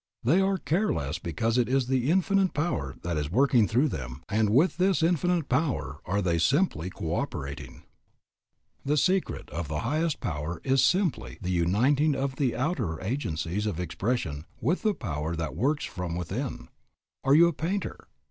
They are care less because it is the Infinite Power that is working through them, and with this Infinite Power they are simply co operating. _The secret of the highest power is simply the uniting of the outer agencies of expression with the Power that works from within_. Are you a painter?